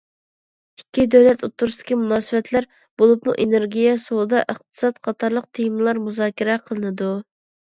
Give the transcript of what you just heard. ئىككى دۆلەت ئوتتۇرىسىدىكى مۇناسىۋەتلەر، بولۇپمۇ ئېنېرگىيە، سودا، ئىقتىساد قاتارلىق تېمىلار مۇزاكىرە قىلىنىدۇ.